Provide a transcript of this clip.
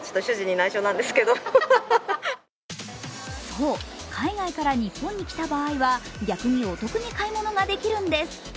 そう、海外から日本に来た場合は逆にお得に買い物が出来るんです。